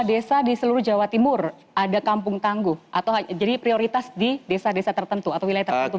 desa di seluruh jawa timur ada kampung tangguh atau jadi prioritas di desa desa tertentu atau wilayah tertentu